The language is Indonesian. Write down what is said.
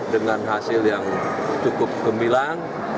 dengan hasil yang cukup gemilang